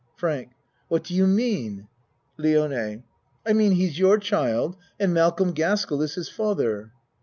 FRANK What do you mean ? LIONE I mean he's your child and Malcolm Gaskell is his father.